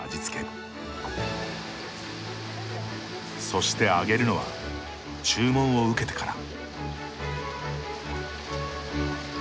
そして揚げるのは注文を受けてから。